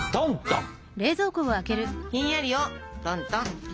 ひんやりをトントン。